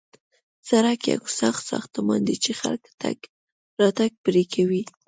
سړک یو سخت ساختمان دی چې خلک تګ راتګ پرې کوي